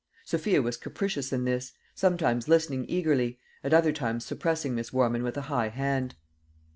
Sophia was capricious in this, sometimes listening eagerly, at other times suppressing Miss Warman with a high hand.